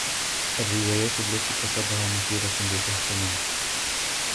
الروايات التي كتبها مثيرة للإهتمام.